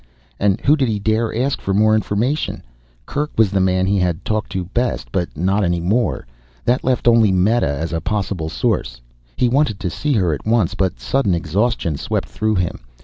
And who did he dare ask for more information? Kerk was the man he had talked to best, but not any more. That left only Meta as a possible source. He wanted to see her at once, but sudden exhaustion swept through him.